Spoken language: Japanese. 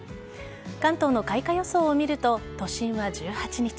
関東の開花予想を見ると都心は１８日。